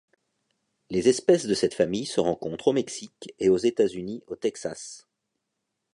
Les espèces de cette famille se rencontrent au Mexique et aux États-Unis au Texas.